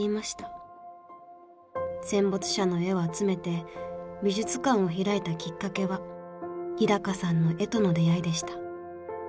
戦没者の絵を集めて美術館を開いたきっかけは日高さんの絵との出会いでした。